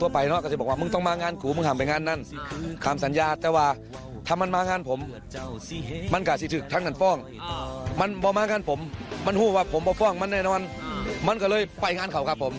มากันผมมันพูดว่าผมประภาคมันแน่นวันมันก็เลยไปงานเขาครับผม